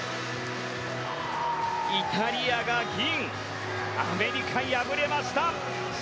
イタリアが銀アメリカ敗れました。